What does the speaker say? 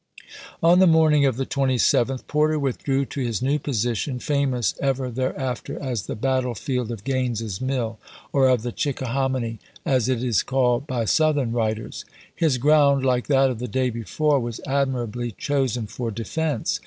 On the morning of the 27th Porter withdrew to June, 1862. his new position, famous ever thereafter as the bat tlefield of Gaines's Mill, or of the Chickahominy, as it is called by Southern writers. His ground, 428 ABRAHAM LINCOLN cn. xxni. like that of tlie day before, was admirably chosen for defense.